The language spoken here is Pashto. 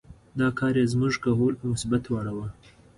دا کار یې زموږ کهول په مصیبت واړاوه.